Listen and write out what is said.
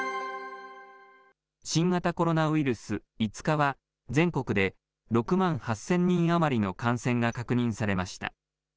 新型コロナウイルス、５日は、全国で６万８０００人余りの感染が確認されました。